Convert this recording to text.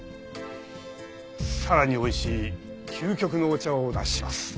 さらに美味しい究極のお茶をお出しします。